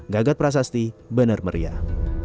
gagat prasasti benar meriah